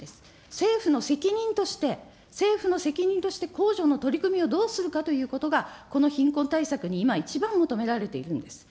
政府の責任として、政府の責任としてこうじょの取り組みをどうするかということが、この貧困対策に今、一番求められているんです。